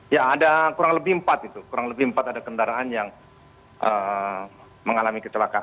ya ada kurang lebih empat itu kurang lebih empat ada kendaraan yang mengalami kecelakaan